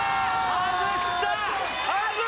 外した！